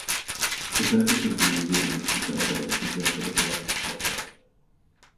The purpose of the museum is to celebrate and preserve the Lithuanian culture.